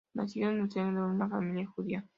Nacido en el seno de una familia judía.